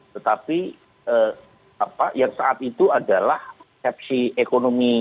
tetapi yang saat itu adalah sepsi ekonomi